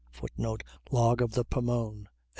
[Footnote: Log of the Pomone.